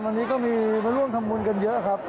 วันนี้ก็มีมาร่วมทำบุญกันเยอะครับ